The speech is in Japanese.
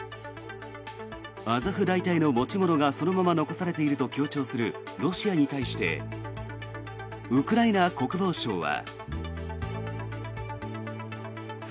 アゾフ大隊の持ち物がそのまま残されていると強調するロシアに対してウクライナ国防省は。